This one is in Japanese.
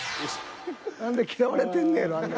何で嫌われてんねやろあんな